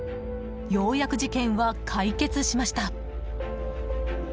ようやく事件は解決しました。